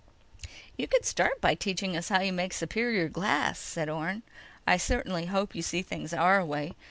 "You could start by teaching us how you make superior glass," said Orne. "I certainly hope you see things our way.